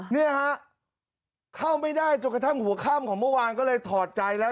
เนี่ยฮะเข้าไม่ได้จนกระทั่งหัวค่ำของเมื่อวานก็เลยถอดใจแล้ว